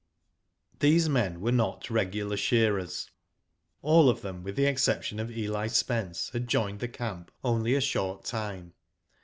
These men were not regular shearers. All of them, with the exception of Eli Spence, had joined the camp only a short time.